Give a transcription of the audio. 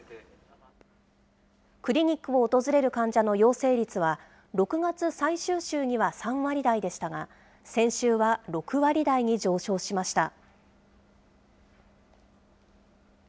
クリニックを訪れる患者の陽性率は、６月最終週には３割台でしたが、先週は６割台に上昇しました。